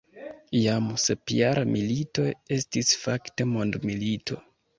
Jam sepjara milito estis fakte mondmilito.